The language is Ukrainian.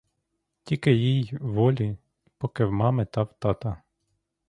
Тільки їй волі, поки в мами та в тата.